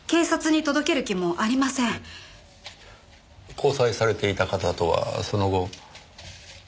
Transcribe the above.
交際されていた方とはその後？